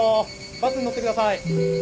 バスに乗ってください。